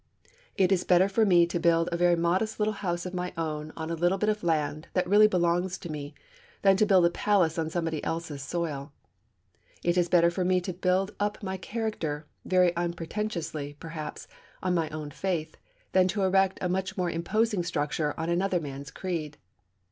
It is better for me to build a very modest little house of my own on a little bit of land that really belongs to me than to build a palace on somebody else's soil. It is better for me to build up my character, very unpretentiously, perhaps, on my own faith, than to erect a much more imposing structure on another man's creed.